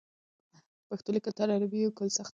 پښتو لیکل تر عربي لیکلو سخت دي.